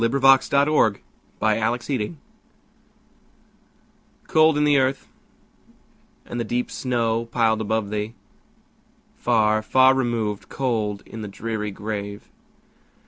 Emily Brontë Remembrance COLD in the earth, and the deep snow piled above thee! Far, far removed, cold in the dreary grave!